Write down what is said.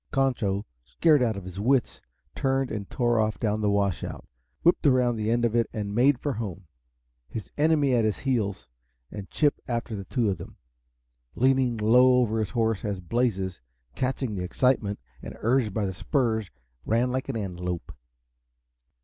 Concho, scared out of his wits, turned and tore off down the washout, whipped around the end of it and made for home, his enemy at his heels and Chip after the two of them, leaning low over his horse as Blazes, catching the excitement and urged by the spurs, ran like an antelope.